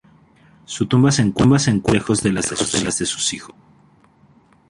Su tumba se encuentra no lejos de las de sus hijos.